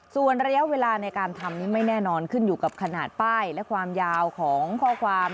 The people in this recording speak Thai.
ส่วนระยะเวลาในการทำนี้ไม่แน่นอนขึ้นอยู่กับขนาดป้ายและความยาวของข้อความ